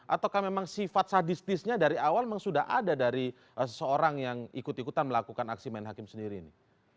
ataukah memang sifat sadistisnya dari awal memang sudah ada dari seseorang yang ikut ikutan melakukan aksi main hakim sendiri ini